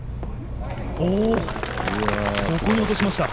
ここに落としました。